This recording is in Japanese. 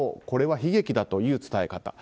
これは悲劇だという伝え方。